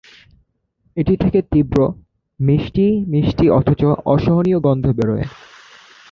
এটি থেকে তীব্র, মিষ্টি-মিষ্টি অথচ অসহনীয় গন্ধ বেরয়।